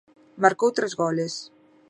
Marcou tres goles.